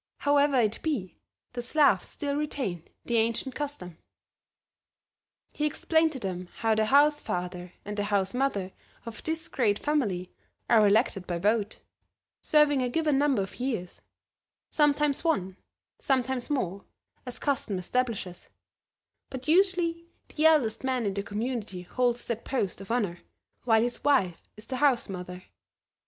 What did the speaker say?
However it be, the Slavs still retain the ancient custom. He explained to them how the House father and the House mother of this great family are elected by vote, serving a given number of years; sometimes one, sometimes more, as custom establishes; but usually the eldest man in the Community holds that post of honor, while his wife is the House mother.